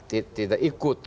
kita tidak ikut